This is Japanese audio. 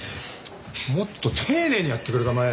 もっと丁寧にやってくれたまえ。